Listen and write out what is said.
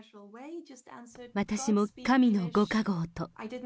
私も神のご加護を！と。